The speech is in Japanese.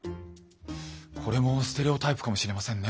これもステレオタイプかもしれませんね。